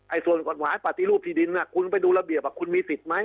ส่วนกฎหมายปฏิรูปที่ดินคุณไปดูระเบียบคุณมีสิทธิ์ไหม